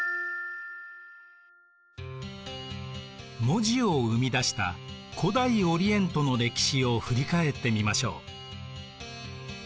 文字を生み出した古代オリエントの歴史を振り返ってみましょう。